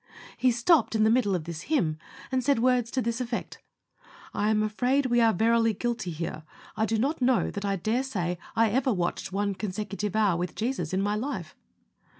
He stopped in the middle of this hymn, and said words to this effect: "I am afraid we are verily guilty here. I do not know that I dare say I ever watched one consecutive hour with Jesus in my life."